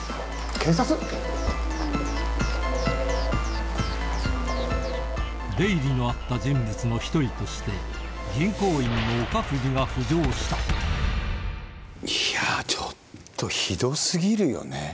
警察⁉出入りのあった人物の一人としていやちょっとひど過ぎるよね。